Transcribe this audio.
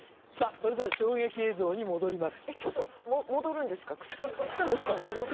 それでは衝撃映像に戻ります